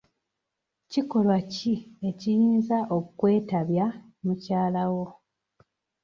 Kikolwa ki ekiyinza okkwetabya mukyala wo.